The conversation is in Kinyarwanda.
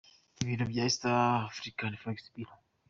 Ibiciro bya East african forex bureau.